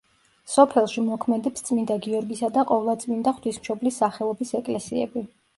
სოფელში მოქმედებს წმინდა გიორგისა და ყოვლადწმინდა ღვთისმშობლის სახელობის ეკლესიები.